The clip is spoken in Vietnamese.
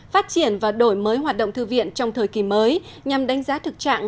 phát triển và đổi mới hoạt động thư viện trong thời kỳ mới nhằm đánh giá thực trạng